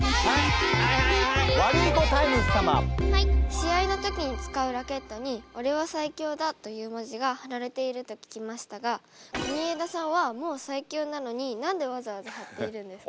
試合の時に使うラケットに「オレは最強だ！」という文字が貼られていると聞きましたが国枝さんはもう最強なのに何でわざわざ貼っているんですか？